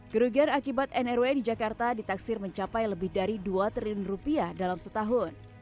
kerugian akibat nrw di jakarta ditaksir mencapai lebih dari dua triliun rupiah dalam setahun